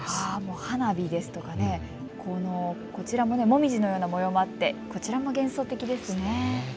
花火ですとか、こちらもモミジのような模様もあってこちらも幻想的ですね。